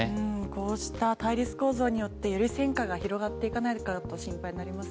こうした対立構造によってより戦火が広がっていかないかと心配になります。